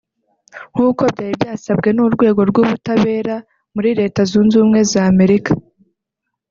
nkuko byari byasabwe n’urwego rw’ubutabera muri Leta Zunze Ubumwe za Amerika